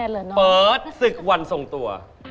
เปิดศึกวันทรงตัว